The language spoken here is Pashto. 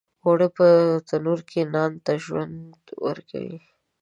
اوړه په تنور کې نان ته ژوند ورکوي